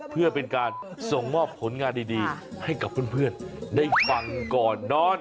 เพื่อเป็นการส่งมอบผลงานดีให้กับเพื่อนได้ฟังก่อนนอน